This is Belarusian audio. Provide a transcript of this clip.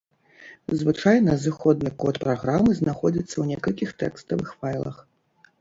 Звычайна зыходны код праграмы знаходзіцца ў некалькіх тэкставых файлах.